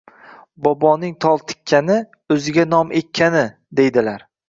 — Boboning tol tikkani — o‘ziga nom ekkani, deydilar.